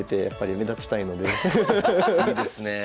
いいですねえ。